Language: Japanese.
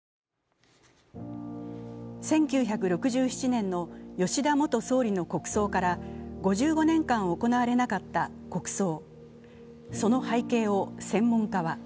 １９６７年の吉田元総理の国葬から５５年間行われなかった国葬。